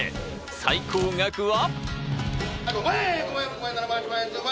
最高額は？